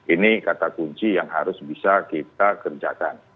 ini kata kunci yang harus bisa kita kerjakan